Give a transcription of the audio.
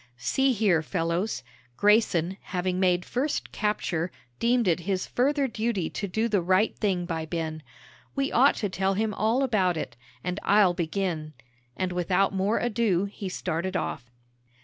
"See here, fellows." Grayson, having made first capture, deemed it his further duty to do the right thing by Ben. "We ought to tell him all about it. And I'll begin," and without more ado, he started off.